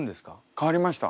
変わりました。